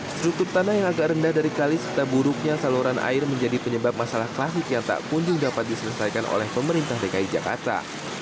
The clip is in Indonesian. struktur tanah yang agak rendah dari kali serta buruknya saluran air menjadi penyebab masalah klasik yang tak kunjung dapat diselesaikan oleh pemerintah dki jakarta